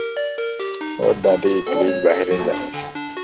ওহ দাদী, প্লিজ বাহিরে যাও!